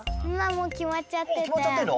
もうきまっちゃってるの？